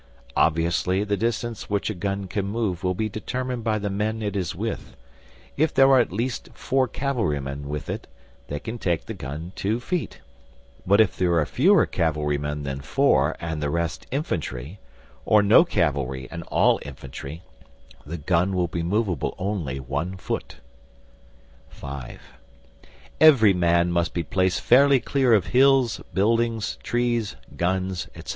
Obviously the distance which a gun can move will be determined by the men it is with; if there are at least four cavalry men with it, they can take the gun two feet, but if there are fewer cavalry men than four and the rest infantry, or no cavalry and all infantry, the gun will be movable only one foot. (V) Every man must be placed fairly clear of hills, buildings, trees, guns, etc.